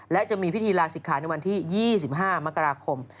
และจะมีพิธีลาศิกขาในวันที่๒๕มกราคม